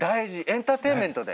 エンターテインメントだよね。